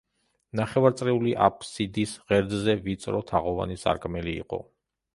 ნახევარწრიული აფსიდის ღერძზე ვიწრო თაღოვანი სარკმელი იყო.